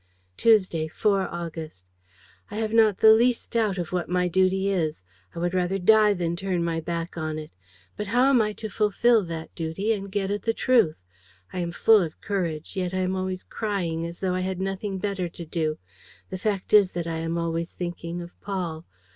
"Tuesday, 4 August. "I have not the least doubt of what my duty is. I would rather die than turn my back on it. But how am I to fulfil that duty and get at the truth? I am full of courage; and yet I am always crying, as though I had nothing better to do. The fact is that I am always thinking of Paul.